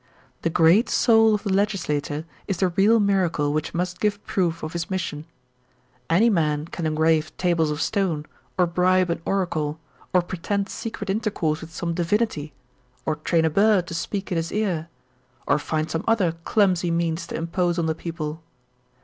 The great soul of the legislator is the real miracle which must give proof of his mission. Any man can engrave tables of stone, or bribe an ora cle, or pretend secret intercourse with some divinity, or train a bird to speak in his ear, or find some other clumsy means to impose on the people.